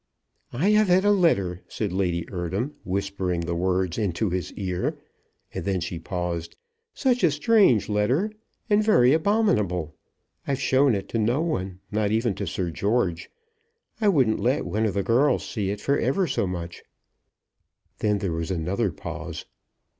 "I have had a letter," said Lady Eardham, whispering the words into his ear; and then she paused. "Such a strange letter, and very abominable. I've shown it to no one, not even to Sir George. I wouldn't let one of the girls see it for ever so much." Then there was another pause.